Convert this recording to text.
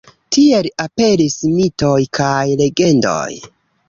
Tiel aperis mitoj kaj legendoj.